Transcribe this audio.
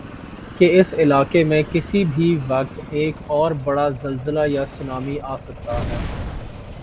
کہ اس علاقی میں کسی بھی وقت ایک اوربڑا زلزلہ یاسونامی آسکتا ہی۔